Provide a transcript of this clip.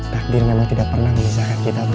takdir memang tidak pernah menisahkan kita putri